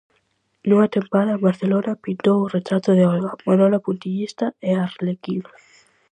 Nunha tempada en Barcelona, pintou o "Retrato de Olga", "Manola puntillista" e "Arlequín".